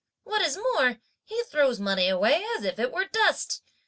What is more, he throws money away as if it were dust.